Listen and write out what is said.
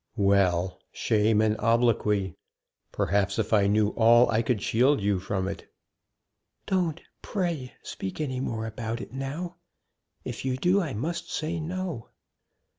"Well! shame and obloquy. Perhaps, if I knew all I could shield you from it." "Don't, pray, speak any more about it now; if you do, I must say 'No.'"